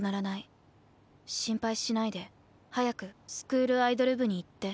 心配しないで早くスクールアイドル部に行って。